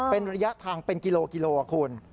เป็นระยะทางเป็นกิโลกิโลคุณ